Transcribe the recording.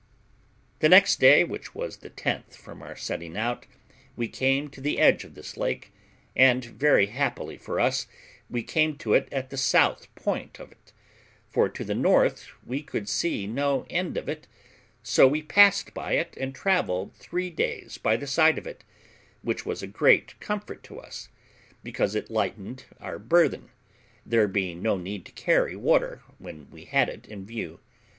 The next day, which was the tenth from our setting out, we came to the edge of this lake, and, very happily for us, we came to it at the south point of it, for to the north we could see no end of it; so we passed by it and travelled three days by the side of it, which was a great comfort to us, because it lightened our burthen, there being no need to carry water when we had it in view.